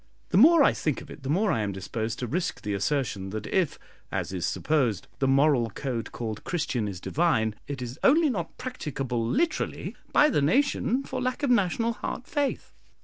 The more I think of it the more I am disposed to risk the assertion, that if, as is supposed, the moral code called Christian is divine, it is only not practicable, literally, by the nation for lack of national heart faith.